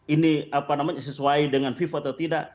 ini sesuai dengan viva atau tidak